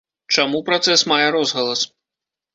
Чаму працэс мае розгалас?